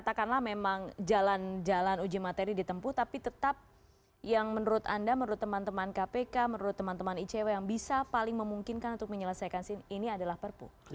katakanlah memang jalan jalan uji materi ditempuh tapi tetap yang menurut anda menurut teman teman kpk menurut teman teman icw yang bisa paling memungkinkan untuk menyelesaikan ini adalah perpu